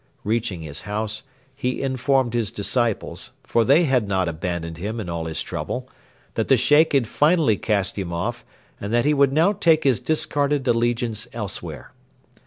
Reaching his house, he informed his disciples for they had not abandoned him in all his trouble that the Sheikh had finally cast him off, and that he would now take his discarded allegiance elsewhere.